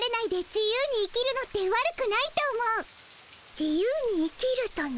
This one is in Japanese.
自由に生きるとな。